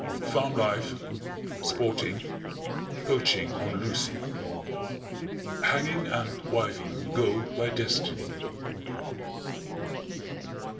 FARM LIFE. SPORTING. POACHING ON LUCY. _"Hanging and wiving go by destiny!"